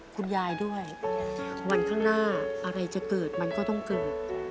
คุณยายด้วยวันข้างหน้าอะไรจะเกิดมันก็ต้องเกิด